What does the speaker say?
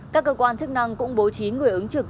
các cơ quan chức năng cũng bố trí người ứng trực